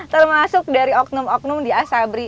termasuk dari oknum oknum di asabri